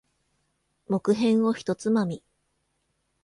木片を一つまみ。